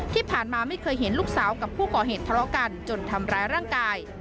ที่ผ่านมาไม่เคยเห็นลูกสาวกับผู้ก่อเหตุทะเลาะกันจนทำร้ายร่างกาย